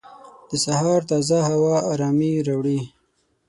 د سهار تازه هوا ارامۍ راوړي.